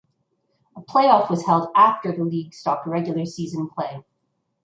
A playoff was held after the league stopped regular season play.